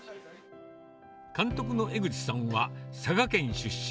監督の江口さんは佐賀県出身。